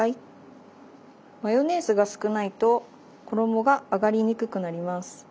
マヨネーズが少ないと衣が揚がりにくくなります。